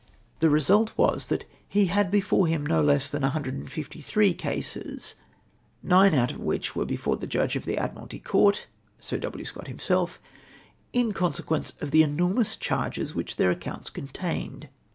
The result was, that he had before him no less than 153 cases, nine out of ivhicli iverenoiv before the judge of the Admircdty Court (Sir W. Scott himself!) in consequence of the enormous charges tuhich their accounts contained.